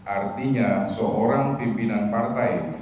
artinya seorang pimpinan partai